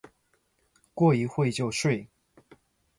过一会就睡